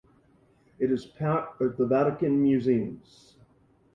It is part of the Vatican Museums.